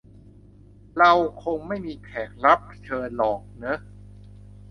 เราคงไม่มีแขกรับเชิญหรอกเนอะ